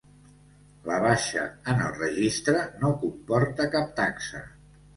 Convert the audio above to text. La baixa en el registre no comporta cap taxa.